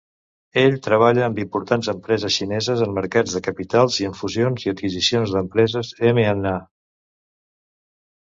Ell treballa amb importants empreses xineses en mercats de capitals i en fusions i adquisicions d'empreses (M and A)